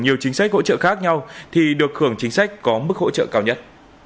nhiều chính sách hỗ trợ khác nhau thì được hưởng chính sách có mức hỗ trợ cao nhất